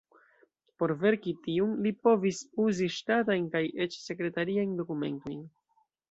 Por verki tiun, li povis uzi ŝtatajn kaj eĉ sekretajn dokumentojn.